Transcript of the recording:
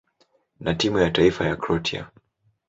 na timu ya taifa ya Kroatia.